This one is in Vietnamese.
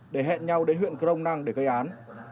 để hẹn nhau đến huyện crong năng để gây án